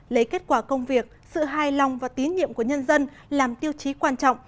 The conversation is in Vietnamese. lấy kết quả công việc sự hài lòng và tín nhiệm của nhân dân làm tiêu chí quan trọng